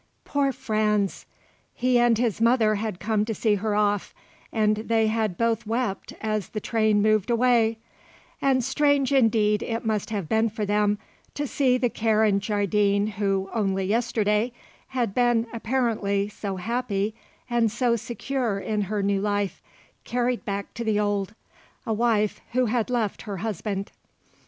Poor Franz. He and his mother had come to see her off and they had both wept as the train moved away, and strange indeed it must have been for them to see the Karen Jardine who, only yesterday, had been, apparently, so happy, and so secure in her new life, carried back to the old; a wife who had left her husband.